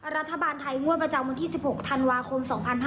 รัฐบาลไทยงวดประจำวันที่๑๖ธันวาคม๒๕๕๙